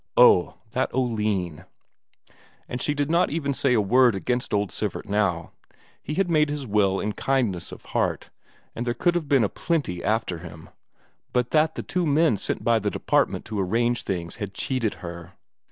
Oh, that Oline! And she did not even say a word against old Sivert now; he had made his will in kindness of heart, and there would have been a plenty after him, but that the two men sent by the Department to arrange things had cheated her.